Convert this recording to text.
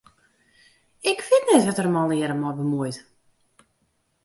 Ik wit net wêr't er him allegearre mei bemuoit.